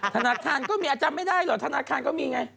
ธนาคารก็มีจำไม่ได้หรอธนาคารก็มีไง